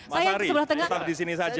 mas ari tetap disini saja